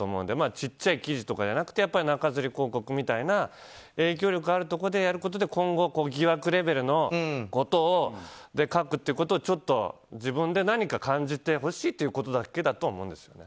ちっちゃい記事とかじゃなくて中づり広告みたいな影響力あるところでやることで今後、疑惑レベルのことを書くっていうことを自分で何か感じてほしいということだけだとは思うんですよね。